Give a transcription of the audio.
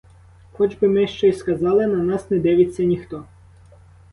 Хоч би ми що й сказали, на нас не дивиться ніхто.